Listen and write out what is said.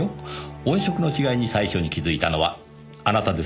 「音色の違いに最初に気づいたのはあなたですね？」と。